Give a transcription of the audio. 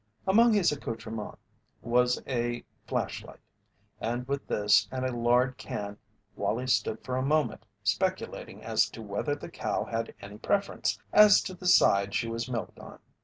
Among his accoutrements was a flashlight, and with this and a lard can Wallie stood for a moment speculating as to whether the cow had any preference as to the side she was milked on.